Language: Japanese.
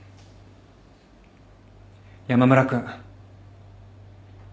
山村君。